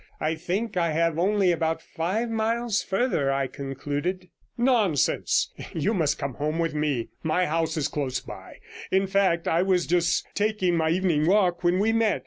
'I think I have only about five miles further,' I concluded. 97 'Nonsense! you must come home with me. My house is close by; in fact, I was just taking my evening walk when we met.